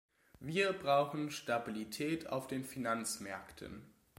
Wir brauchen Stabilität auf den Finanzmärkten.